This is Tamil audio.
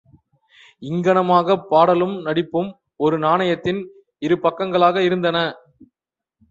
இங்ஙனமாகப் பாடலும் நடிப்பும் ஒரு நாணயத்தின் இருபக்கங்களாக இருந்தன.